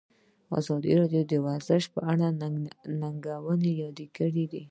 ازادي راډیو د ورزش په اړه د ننګونو یادونه کړې.